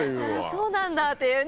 「そうなんだ」っていうね。